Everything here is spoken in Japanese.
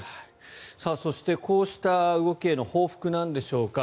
そして、こうした動きへの報復なんでしょうか。